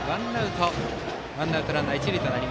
ワンアウトランナー、一塁です。